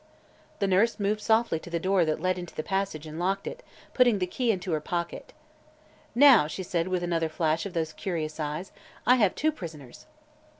The nurse moved softly to the door that led into the passage and locked it, putting the key into her pocket. "Now," said she, with another flash of those curious eyes, "I have two prisoners."